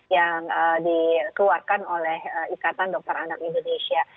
yang dikeluarkan oleh ikatan dokter anak indonesia